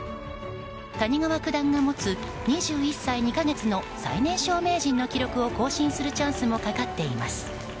谷川九段が持つ２１歳２か月の最年少名人の記録を更新するチャンスもかかっています。